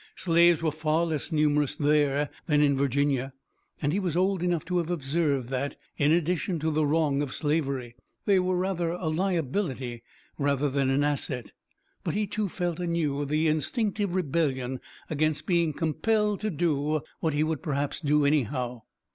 Slaves were far less numerous there than in Virginia, and he was old enough to have observed that, in addition to the wrong of slavery, they were a liability rather than an asset. But he too felt anew the instinctive rebellion against being compelled to do what he would perhaps do anyhow.